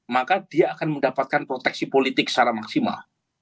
maka dia akan mendapatkan proteksi politik secara maksimal